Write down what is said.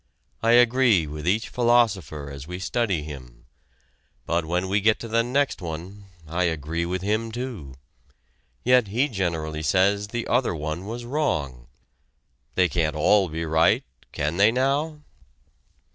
I agree with each philosopher as we study him. But when we get to the next one, I agree with him too. Yet he generally says the other one was wrong. They can't all be right. Can they now?"